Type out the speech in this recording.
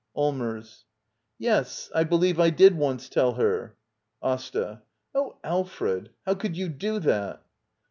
Allmers. Yes, I believe I did once tell her. AsTA. Oh, Alfred, how could you do that?